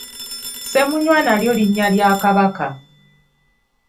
Ssemunywa nalyo linnya lya Kabaka.